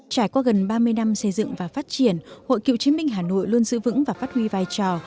trải qua gần ba mươi năm xây dựng và phát triển hội cựu chiến binh hà nội luôn giữ vững và phát huy vai trò